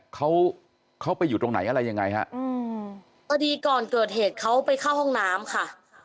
เขาเขาไปอยู่ตรงไหนอะไรยังไงฮะอืมพอดีก่อนเกิดเหตุเขาไปเข้าห้องน้ำค่ะ